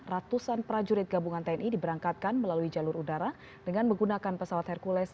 ratusan prajurit gabungan tni diberangkatkan melalui jalur udara dengan menggunakan pesawat hercules